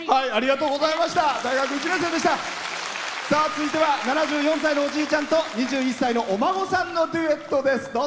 続いては７４歳のおじいちゃんと２１歳のお孫さんのデュエットです。